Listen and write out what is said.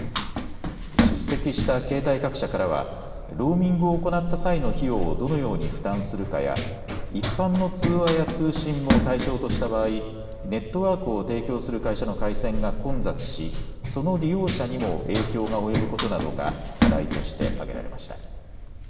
出席した携帯各社からはローミングを行った際の費用をどのように負担するかや一般の通話や通信も対象とした場合、ネットワークを提供する会社の回線が混雑しその利用者にも影響が及ぶことなどが課題として挙げられました。